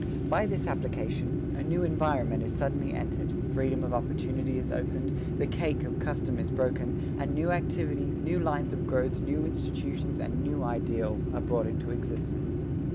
By this application, a new environment is suddenly entered, freedom of opportunity is opened, the cake of custom is broken, and new activities, new lines of growth, new institutions and new ideals, are brought into existence.